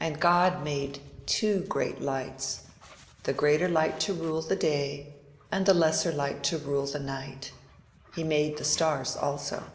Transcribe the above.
And God made two great lights; the greater light to rule the day, and the lesser light to rule the night; he made the stars also."